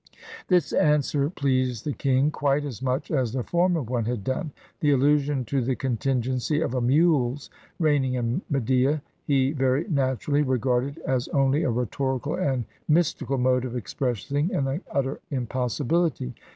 This answer pleased the king quite as much as the former one had done. The allusion to the contingency of a mule's reigning in Media he very naturally regarded 313 PERSIA as only a rhetorical and mystical mode of expressing an utter impossibility.